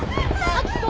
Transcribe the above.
秋子！